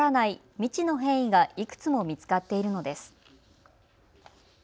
未知の変異がいくつも見つかっているのです。